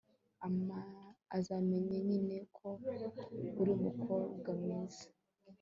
azamenye nyine ko uri umukobwa mwiza